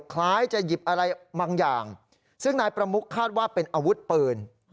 คล้ายจะหยิบอะไรบางอย่างซึ่งนายประมุกคาดว่าเป็นอาวุธปืน